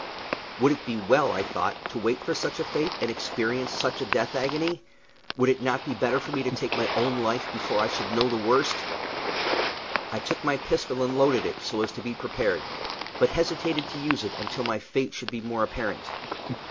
Would it be well, I thought, to wait for such a fate, and experience such a death agony? Would it not be better for me to take my own life before I should know the worst? I took my pistol and loaded it, so as to be prepared, but hesitated to use it until my fate should be more apparent.